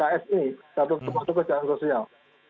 untuk mengupdate pt ks ini untuk kejahatan sosial